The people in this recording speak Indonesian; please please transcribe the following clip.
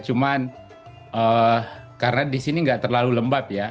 cuman karena di sini nggak terlalu lembab ya